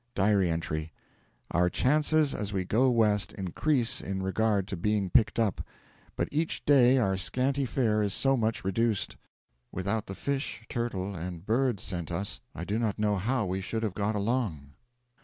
(Diary entry) Our chances as we go west increase in regard to being picked up, but each day our scanty fare is so much reduced. Without the fish, turtle, and birds sent us, I do not know how we should have got along.